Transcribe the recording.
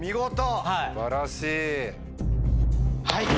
はい。